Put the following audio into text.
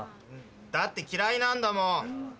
だって嫌いなんだもん。